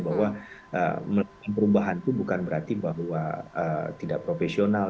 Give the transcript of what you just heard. bahwa melakukan perubahan itu bukan berarti bahwa tidak profesional